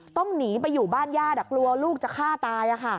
ต้องหนีไปอยู่บ้านญาติกลัวลูกจะฆ่าตาย